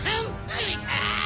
うるさい！